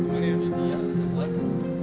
hari ini dia adalah